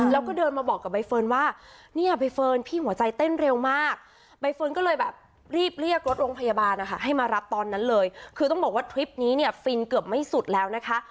แล้วก็เดินมาบอกกับใบเฟิร์นว่าเนี่ยใบเฟิร์นพี่หัวใจเต้นเร็วมากใบเฟิร์นก็เลยแบบรีบเรียกรถโรงพยาบาลนะคะให้มารับตอนนั้นเลยคือต้องบอกว่าทริปนี้เนี่ยฟินเกือบไม่สุดแล้วนะคะ